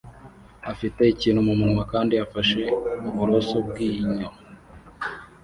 afite ikintu mumunwa kandi afashe uburoso bwinyo